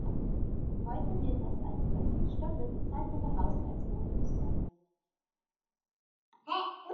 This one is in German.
Heute wird das als "Das Stöckl" bezeichnete Haus als Wohnhaus verwendet.